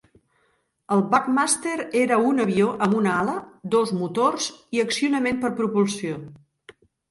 El Buckmaster era un avió amb un ala, dos motors i accionament per propulsió.